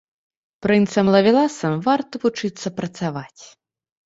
Прынцам-лавеласам варта вучыцца працаваць.